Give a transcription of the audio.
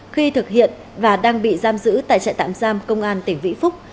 khi thực hiện và đang bị giam giữ tại trại tạm giam công an tỉnh vĩnh phúc